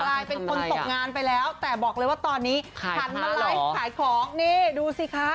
กลายเป็นคนตกงานไปแล้วแต่บอกเลยว่าตอนนี้หันมาไลฟ์ขายของนี่ดูสิคะ